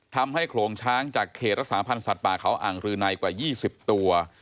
โขลงช้างจากเขตรักษาพันธ์สัตว์ป่าเขาอ่างรือในกว่า๒๐ตัว